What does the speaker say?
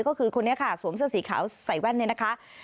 ก็คือคนนี้ค่ะสวมเสื้อสีขาวใส่แว่นเนี่ยนะคะ